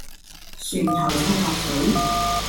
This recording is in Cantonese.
船頭尺度水